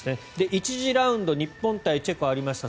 １次ラウンド日本対チェコありました。